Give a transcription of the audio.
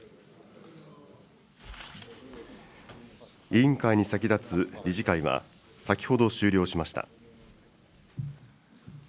委員会に先立つ理事会は先ほど終了しました。